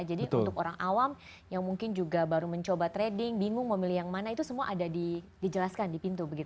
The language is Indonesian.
jadi untuk orang awam yang mungkin juga baru mencoba trading bingung mau memilih yang mana itu semua ada dijelaskan di pintu begitu